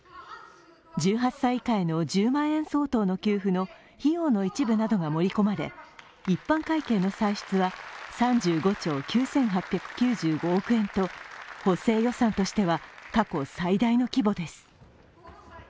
１８歳以下への１０万円相当の給付の費用の一部などが盛り込まれ、一般会計の歳出は３５兆９８９５億円と補正予算としては過去最大の規模です。